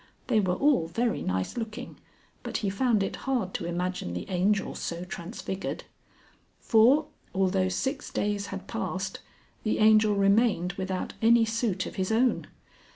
They were all very nice looking, but he found it hard to imagine the Angel so transfigured. For, although six days had passed, the Angel remained without any suit of his own.